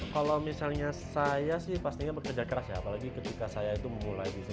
kalau misalnya saya sih pastinya bekerja keras ya apalagi ketika saya itu memulai bisnis